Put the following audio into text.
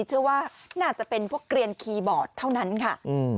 เชื่อว่าน่าจะเป็นพวกเกลียนคีย์บอร์ดเท่านั้นค่ะ